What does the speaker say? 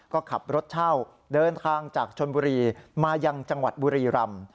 ก็ขับรถเช่าเดินทางจากชนบุรีมายังจังหวัดบุรีรำ